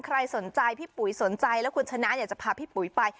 ใครสนใจพี่ปุ๋ยสนใจแล้วคุณชนะอยากจะพาพี่ปุ๋ยไป